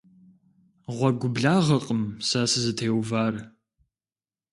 Гъуэгу благъэкъым сэ сызытеувар.